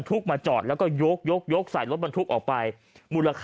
ถึงใช้คนทั้ง๔คนยก